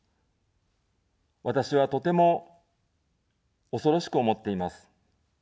私は、とても恐ろしく思っています。